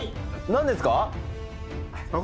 何ですか？